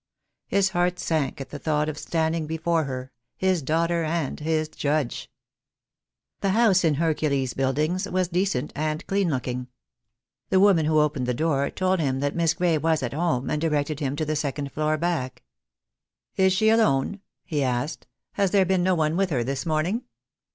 His heart sank at the thought of standing before her — his daughter and his judge! The house in Hercules Buildings was decent and clean looking. The woman who opened the door told him that Miss Gray was at home, and directed him to the second floor back. "Is she alone?" he asked. "Has there been no one with her this morning?"